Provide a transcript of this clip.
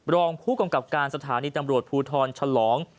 รองผู้กรรมกรรมการสถานีตำรวจภูทรชะลอง